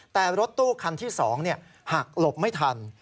แต่รถตู้คันที่๒หักหลบไม่ทัน